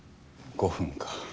５分か。